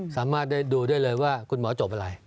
สามารถได้ดูได้เลยว่าคุณหมอจบอะไร